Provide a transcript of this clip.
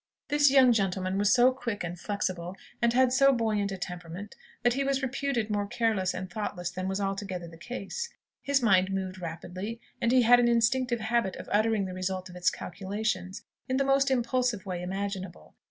This young gentleman was so quick and flexible, and had so buoyant a temperament, that he was reputed more careless and thoughtless than was altogether the case. His mind moved rapidly, and he had an instinctive habit of uttering the result of its calculations, in the most impulsive way imaginable.